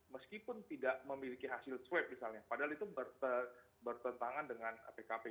meskipun tidak memiliki hasil swab misalnya padahal itu bertentangan dengan pkp